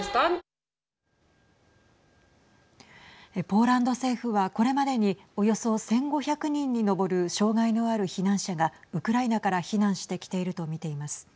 ポーランド政府は、これまでにおよそ１５００人に上る障害のある避難者がウクライナから避難してきているとみています。